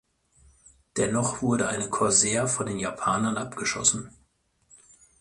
Dennoch wurde eine Corsair von den Japanern abgeschossen.